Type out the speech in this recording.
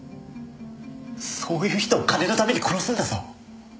そういう人を金のために殺すんだぞ？